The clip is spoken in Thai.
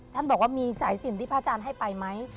ท่านบอกว่ามีสายสินที่พระอาจารย์ให้ไปไหม